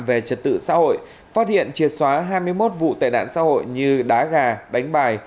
về trật tự xã hội phát hiện triệt xóa hai mươi một vụ tệ nạn xã hội như đá gà đánh bài